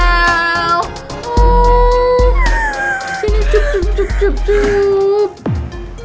sini cukup cukup cukup cukup